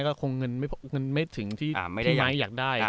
ก็คงเงินไม่ถึงที่ได้ไหมอยากได้